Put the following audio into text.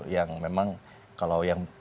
yang memang kalau yang